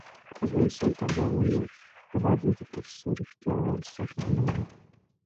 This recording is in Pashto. افغانستان تر هغو نه ابادیږي، ترڅو ریښتیا ویل سخت نه وي.